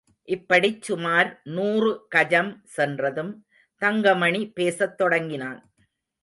இப்படிச் சுமார் நூறு கஜம் சென்றதும் தங்கமணி பேசத் தொடங்கினான்.